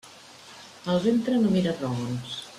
El ventre no mira raons.